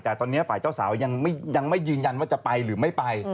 แต่ตอนนี้ฝ่ายเจ้าสาวยังไม่ยืนยันว่าจะไปหรือไม่ไป